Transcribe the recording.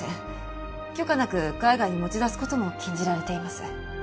許可なく海外に持ち出す事も禁じられています。